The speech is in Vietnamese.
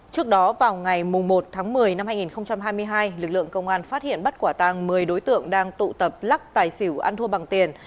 trước đó vào ngày một tháng một mươi năm hai nghìn hai mươi hai lực lượng công an phát hiện bắt quả tàng một mươi đối tượng đang tụ tập lắc tài xỉu ăn thua bằng tiền